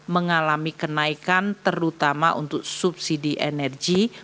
mengalami kenaikan terutama untuk subsidi energi